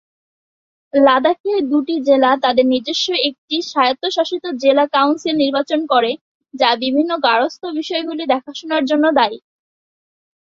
লাদাখের দুটি জেলা তাদের নিজস্ব একটি স্বায়ত্তশাসিত জেলা কাউন্সিল নির্বাচন করে যা বিভিন্ন গার্হস্থ্য বিষয়গুলি দেখাশোনার জন্য দায়ী।